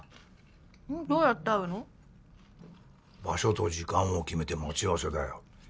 場所と時間を決めて待ち合わせだよ。